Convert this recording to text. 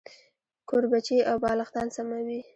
کوربچې او بالښتان سموي.